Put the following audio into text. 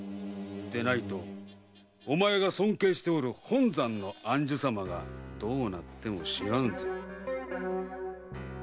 でないとお前が尊敬しておる本山の光琳様がどうなっても知らんぞ。